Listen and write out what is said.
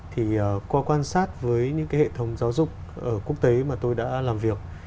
thì qua quan sát với những cái hệ thống giáo dục ở quốc tế mà tôi đã làm việc